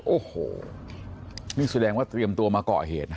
โอ้โหนี่แสดงว่าเตรียมตัวมาก่อเหตุนะ